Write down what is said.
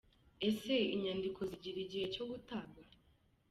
Ese inyandiko zigera igihe cyo gutabwa?.